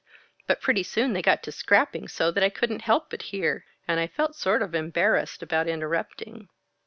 but pretty soon they got to scrapping so that I couldn't help but hear, and I felt sort of embarrassed about interrupting."